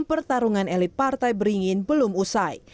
pertarungan elit partai beringin belum usai